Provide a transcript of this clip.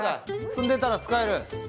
住んでたら使える？